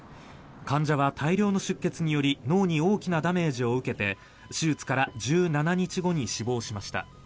患者は大量の出血により脳に大きなダメージを受けて手術から１７日後に死亡しました。